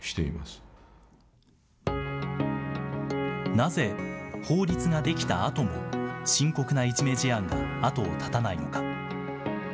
なぜ法律が出来たあとも、深刻ないじめ事案が後を絶たないのか。